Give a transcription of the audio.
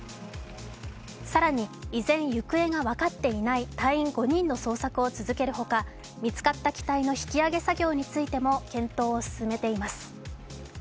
更に、依然行方が分かっていない隊員５人の捜索を続けるほか見つかった機体の引き揚げ作業についても検討を進めています。